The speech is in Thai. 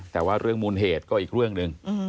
แต่ว่าเรื่องมูลเหตุก็อีกเรื่องหนึ่ง